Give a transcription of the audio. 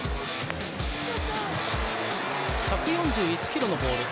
１４１キロのボール。